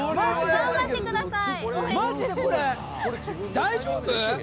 頑張ってください。